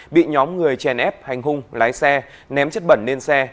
bị nhóm người chèn ép hành hung lái xe ném chất bẩn lên xe